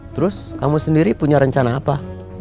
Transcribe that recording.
terus kamu sendiri punya rencana apa